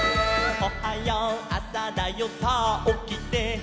「おはようあさだよさあおきて」